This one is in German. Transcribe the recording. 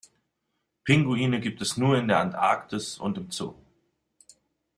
Pinguine gibt es nur in der Antarktis und im Zoo.